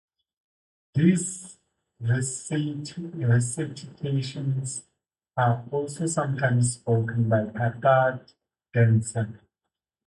These recitations are also sometimes spoken by a Kathak dancer.